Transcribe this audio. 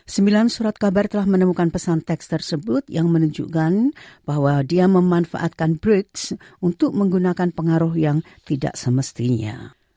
sembilan surat kabar telah menemukan pesan teks tersebut yang menunjukkan bahwa dia memanfaatkan bridge untuk menggunakan pengaruh yang tidak semestinya